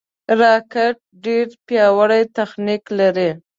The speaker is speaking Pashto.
راکټ ډېر پیاوړی تخنیک لري